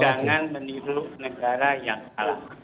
jangan meniru negara yang salah